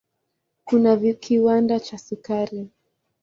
Kuna kiwanda cha sukari.